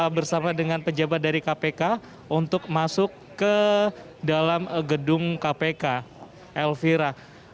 bersama dengan pejabat dari kpk untuk masuk ke dalam gedung kpk elvira